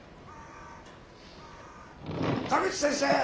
田口先生！